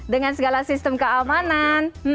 dengan segala sistem keamanan